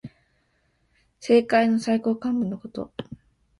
政界の最高幹部のこと。